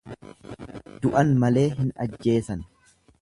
Du'an malee hin ajjeesan.